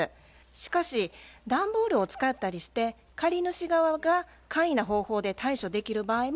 しかし段ボールを使ったりして借り主側が簡易な方法で対処できる場合もあると思います。